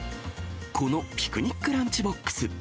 このピクニックランチボックス。